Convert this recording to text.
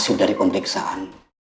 hasil dari pemeriksaan